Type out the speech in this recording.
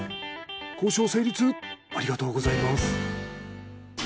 交渉成立ありがとうございます。